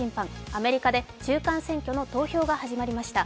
アメリカで中間選挙の投票が始まりました。